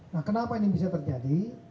nah kenapa ini bisa terjadi